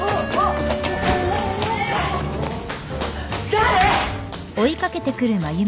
誰！？